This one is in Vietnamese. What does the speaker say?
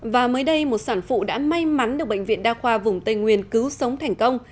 và mới đây một sản phụ đã may mắn được bệnh viện đa khoa vùng tây nguyên cứu sống thành công